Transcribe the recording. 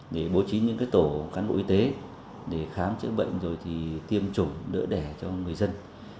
để bố trí những tổ cán bộ y tế để khám chữa bệnh rồi thì tiêm chủng đỡ đẻ cho người dân